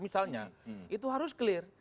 misalnya itu harus clear